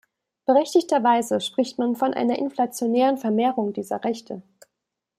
Berechtigterweise spricht man von einer inflationären Vermehrung dieser Rechte.